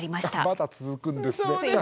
まだ続くんですね。